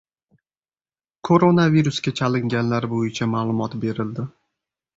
Koronavirusga chalinganlar bo‘yicha ma’lumot berildi